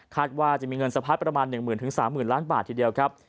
ว่าจะมีเงินสะพัดประมาณ๑๐๐๐๓๐๐ล้านบาททีเดียวครับ